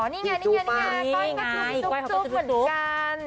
อ๋อนี่ไงนี่ไงนี่ไงก้อยก็คือจุ๊บจุ๊บเหมือนกัน